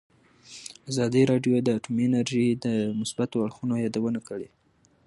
ازادي راډیو د اټومي انرژي د مثبتو اړخونو یادونه کړې.